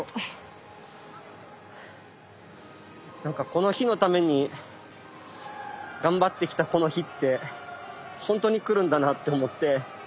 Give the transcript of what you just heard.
この日のために頑張ってきたこの日って本当に来るんだなって思って。